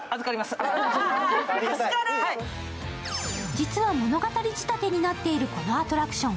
実は物語仕立てになっているこのアトラクション。